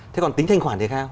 thế còn tính thanh khoản thì cao